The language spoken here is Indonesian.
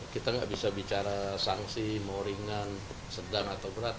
kita nggak bisa bicara sanksi moringan sedang atau berat